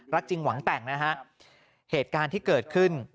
จริงหวังแต่งนะฮะเหตุการณ์ที่เกิดขึ้น